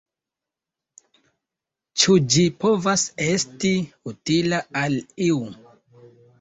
Ĉu ĝi povas esti utila al iu?